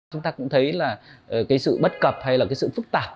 chúng ta cũng thấy là cái sự bất cập hay là cái sự phức tạp